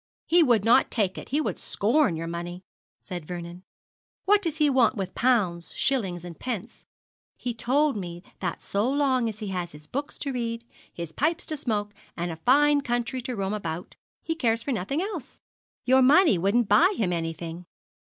'He would not take it; he would scorn your money,' said Vernon. 'What does he want with pounds, shillings, and pence? He told me that so long as he has his books to read, his pipe to smoke, and a fine country to roam about, he cares for nothing else. Your money wouldn't buy him anything.'